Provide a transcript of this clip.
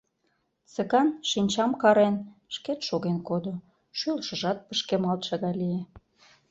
Цыган, шинчам карен, шкет шоген кодо, шӱлышыжат пышкемалтше гай лие.